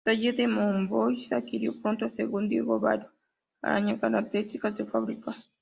El taller de Monvoisin adquirió pronto, según Diego Barros Arana, "caracteres de fábrica.